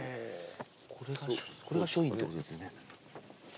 これが書院ってことですよね。